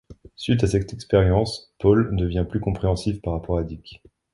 Suite à cette expérience, Paul devient plus compréhensif par rapport à Dick.